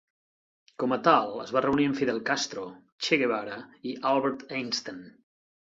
Com a tal, es va reunir amb Fidel Castro, Che Guevara i Albert Einstein.